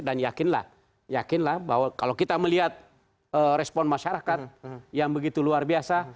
dan yakinlah yakinlah bahwa kalau kita melihat respon masyarakat yang begitu luar biasa